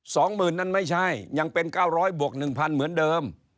สองหมื่นนั้นไม่ใช่ยังเป็นเก้าร้อยบวกหนึ่งพันเหมือนเดิม